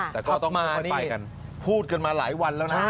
ทัพมานี่พูดกันมาหลายวันแล้วนะ